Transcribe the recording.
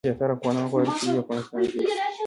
زیاتره افغانان غواړي چې لوی افغانستان جوړ شي.